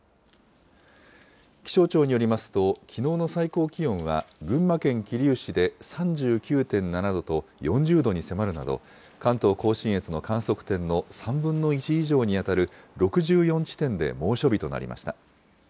気象庁によりますと、きのうの最高気温は群馬県桐生市で３９．７度と、４０度に迫るなど、関東甲信越の観測点の３分の１以上に当たる６４地点で猛暑日となりました。